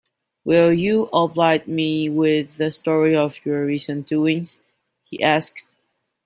“Will you oblige me with the story of your recent doings?” he asked.